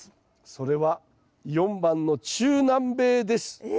それは４番の中南米です。え！